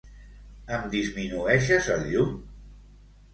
Em disminueixes el llum?